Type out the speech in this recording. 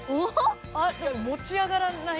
持ち上がらない。